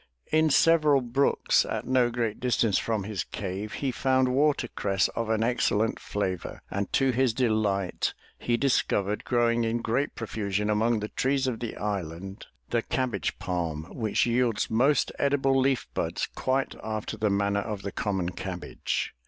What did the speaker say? In several brooks at no great distance from his cave he found water cress of an excellent flavor, and to his delight, he discovered growing in great profusion among the trees of the island, the cabbage palm which yields most edible leaf buds quite after the manner of the common cabbage.